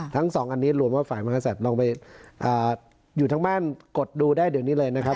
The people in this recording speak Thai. สองอันนี้รวมว่าฝ่ายมหาศัตริย์ลองไปอยู่ทั้งบ้านกดดูได้เดี๋ยวนี้เลยนะครับ